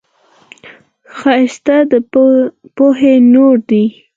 ښایست د پوهې نور دی